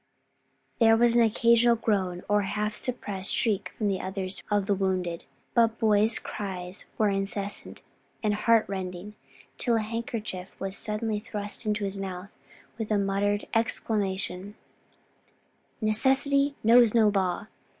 There was an occasional groan or half suppressed shriek from others of the wounded, but Boyd's cries were incessant and heart rending, till a handkerchief was suddenly thrust into his mouth with a muttered exclamation, "Necessity knows no law!